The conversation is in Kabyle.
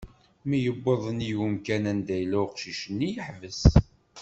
Mi yewweḍ nnig umkan anda yella uqcic-nni, iḥbes.